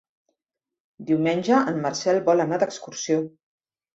Diumenge en Marcel vol anar d'excursió.